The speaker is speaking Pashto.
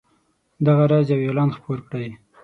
دغه راز یو اعلان خپور کړئ.